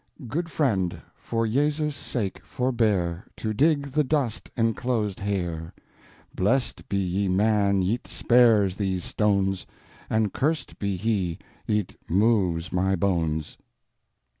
Good friend for Iesus sake forbeare To digg the dust encloased heare: Blest be ye man yt spares thes stones And curst be he yt moves my bones.